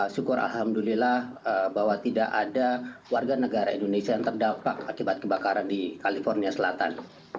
syukur alhamdulillah bahwa tidak ada warga negara indonesia yang terdampak akibat kebakaran di california selatan